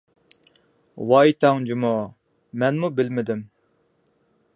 ۋاي تاڭ جۇمۇ، مەنمۇ بىلمىدىم!